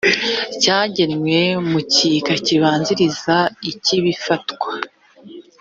cyagenwe mu gika kibanziriza iki bifatwa